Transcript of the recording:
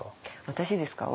私ですか？